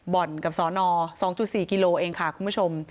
บ่อนกับสน๒๔กิโลเองค่ะคุณผู้ชม